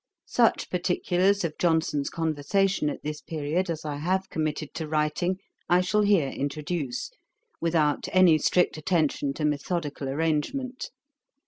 Such particulars of Johnson's conversation at this period as I have committed to writing, I shall here introduce, without any strict attention to methodical arrangement.